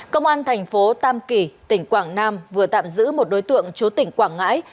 công an thành phố tam kỳ tỉnh quảng nam vừa tạm giữ một đối tượng chúa tỉnh quảng ngãi